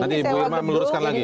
nanti bu irma meluruskan lagi